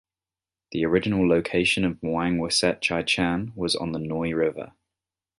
The original location of Muang Wiset Chai Chan was on the Noi River.